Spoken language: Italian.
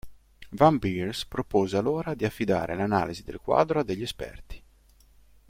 Van Beers propose allora di affidare l'analisi del quadro a degli esperti.